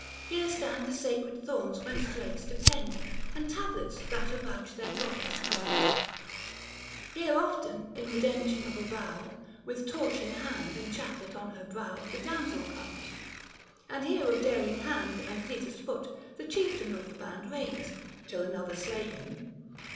Here stand the sacred thorns whence threads depend, And tablets that avouch their goddess friend ; 2S5 Book III. THE FASTI. 77 Here often in redemption of a vow, With torch in hand and chaplet on her brow, The damsel comes. And here of darino* hand And fleetest foot, the Chieftain of the Band Reigns, till another slay him.